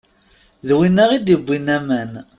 D winna i d-iwwin aman.